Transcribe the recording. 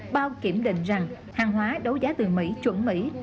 bao kiểm định rằng hàng hóa đấu giá từ mỹ chuẩn mỹ